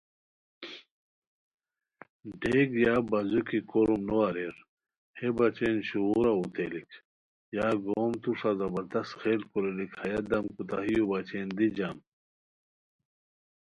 ڈیک یا بازو کی کوروم نو اریر ہے بچین شوغورہ اوتیلیک یا گوم توݰہ زبردست خیل کوریلیک ہیہ دم کوتاہیو بچین دی جم